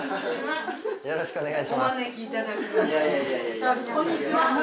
よろしくお願いします。